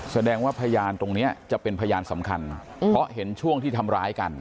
แสดงว่าพยานตรงนี้จะเป็นพยานสำคัญเพราะเห็นช่วงที่ทำร้ายกัน